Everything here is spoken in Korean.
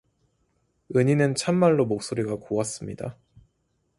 은희는 참말로 목소리가 고왔습니다.